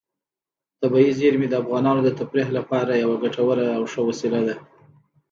طبیعي زیرمې د افغانانو د تفریح لپاره یوه ډېره ګټوره او ښه وسیله ده.